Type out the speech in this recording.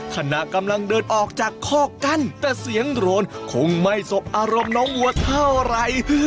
ขณะกำลังเดินออกจากข้อกั้นแต่เสียงโรนคงไม่สบอารมณ์น้องวัวเท่าไหร่